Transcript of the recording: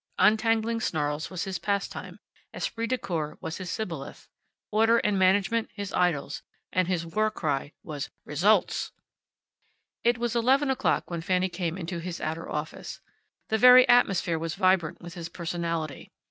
Untangling snarls was his pastime. Esprit de corps was his shibboleth. Order and management his idols. And his war cry was "Results!" It was eleven o'clock when Fanny came into his outer office. The very atmosphere was vibrant with his personality.